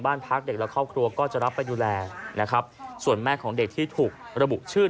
บ้านพักเด็กและครอบครัวก็จะรับไปดูแลนะครับส่วนแม่ของเด็กที่ถูกระบุชื่อ